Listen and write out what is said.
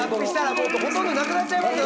もうほとんどなくなっちゃいますよ